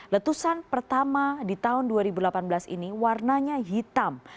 letusan pertama di tahun dua ribu delapan belas ini warnanya hitam